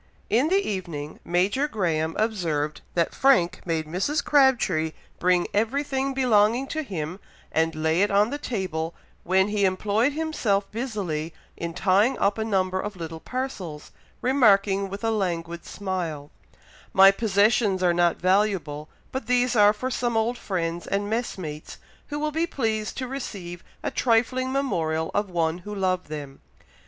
'" In the evening, Major Graham observed that Frank made Mrs. Crabtree bring everything belonging to him, and lay it on the table, when he employed himself busily in tying up a number of little parcels, remarking, with a languid smile, "My possessions are not valuable, but these are for some old friends and messmates, who will be pleased to receive a trifling memorial of one who loved them.